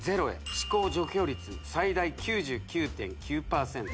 「歯垢除去率最大９９．９％！」